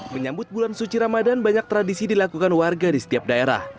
menyambut bulan suci ramadan banyak tradisi dilakukan warga di setiap daerah